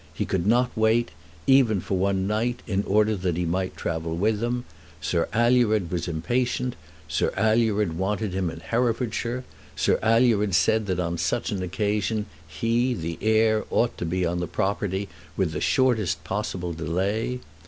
He could not wait, even for one night, in order that he might travel with them. Sir Alured was impatient. Sir Alured wanted him in Herefordshire. Sir Alured had said that on such an occasion he, the heir, ought to be on the property with the shortest possible delay.